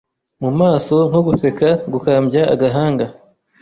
mu maso nko guseka, gukambya agahanga,